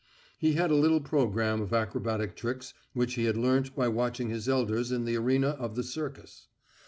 He had a little programme of acrobatic tricks which he had learnt by watching his elders in the arena of the circus.